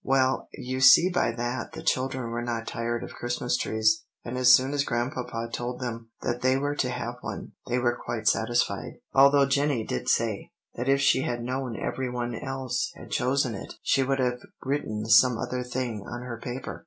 "Well, you see by that, the children were not tired of Christmas trees, and as soon as Grandpapa told them that they were to have one, they were quite satisfied; although Jenny did say that if she had known every one else had chosen it, she would have written some other thing on her paper.